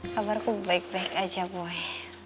kabarku baik baik aja boleh